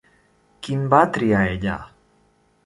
Quin va triar ella?